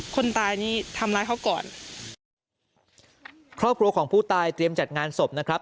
คนตายนี่ทำร้ายเขาก่อนครอบครัวของผู้ตายเตรียมจัดงานศพนะครับ